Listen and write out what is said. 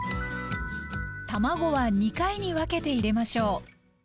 卵は２回に分けて入れましょう。